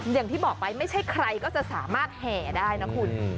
อย่างที่บอกไปไม่ใช่ใครก็จะสามารถแห่ได้นะคุณ